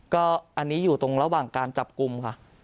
ก็อันนี้อยู่ตรงระหว่างการจับกลุ่มค่ะ